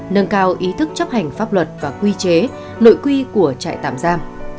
nâng cao ý thức chấp hành pháp luật và quy chế nội quy của trại tạm giam